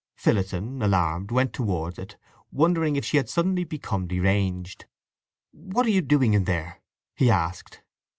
Phillotson, alarmed, went towards it, wondering if she had suddenly become deranged. "What are you doing in there?" he asked.